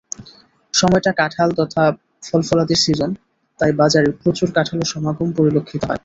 সময়টা কাঁঠাল তথা ফলফলাদির সিজন, তাই বাজারে প্রচুর কাঁঠালের সমাগম পরিলক্ষিত হয়।